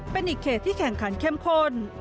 เป็นอีกเขตที่แข่งขันเข้มข้น